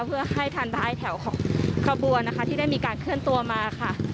เพื่อให้ทันท้ายแถวของขบวนนะคะที่ได้มีการเคลื่อนตัวมาค่ะ